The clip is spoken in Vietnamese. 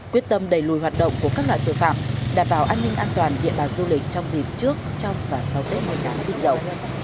quyết tâm đẩy lùi hoạt động của các loại tội phạm đảm bảo an ninh an toàn địa bàn du lịch trong dịp trước trong và sau tết nguyên đán bị dậu